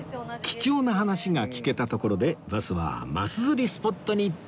貴重な話が聞けたところでバスはマス釣りスポットに到着